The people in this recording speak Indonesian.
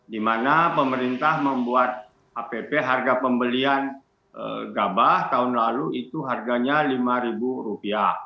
di mana pemerintah membuat app harga pembelian gabah tahun lalu itu harganya rp lima